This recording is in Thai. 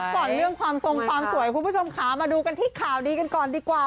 ก่อนเรื่องความทรงความสวยคุณผู้ชมขามาดูกันที่ข่าวดีกันก่อนดีกว่า